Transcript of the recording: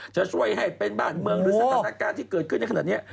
จะช่วยให้เป็นบ้านเมืองหรือสถานการณ์ที่เกิดขึ้นในขณะนี้